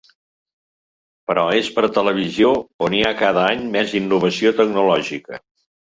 Però és per televisió, on hi ha cada any més innovació tecnològica.